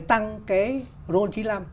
tăng cái roll chín mươi năm